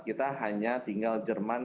kita hanya tinggal jerman